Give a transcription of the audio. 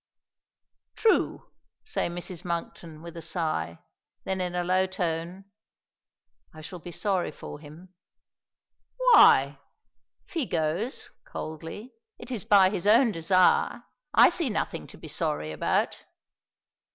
"True," say Mrs. Monkton with a sigh. Then in a low tone: "I shall be sorry for him." "Why? If he goes" coldly "it is by his own desire. I see nothing to be sorry about."